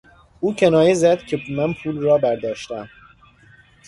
او کنایه زد که من پول را برداشتهام.